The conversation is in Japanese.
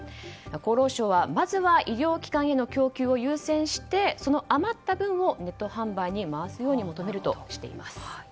厚労省は、まずは医療機関への供給を優先してその余った分をネット販売に回すよう求めるとしています。